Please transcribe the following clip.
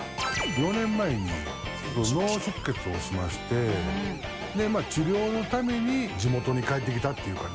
４年前に脳出血をしまして治療のために地元に帰ってきたっていう感じです。